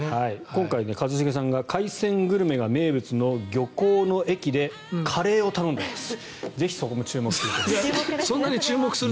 今回、一茂さんが海鮮グルメが名物の漁港の駅でカレーを頼んだそうです。